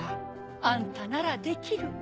あんたならできる！